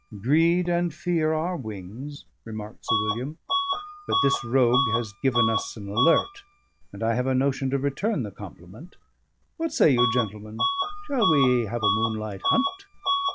"Greed and fear are wings," remarked Sir William. "But this rogue has given us an alert, and I have a notion to return the compliment. What say you, gentlemen, shall we have a moonlight hunt?"